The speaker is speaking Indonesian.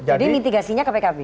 jadi mitigasinya ke pkb